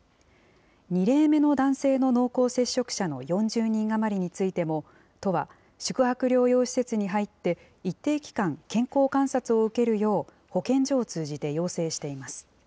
２例目の男性の濃厚接触者の４０人余りについても、都は宿泊療養施設に入って、一定期間、健康観察を受けるよう、保健所を通じて要請しています。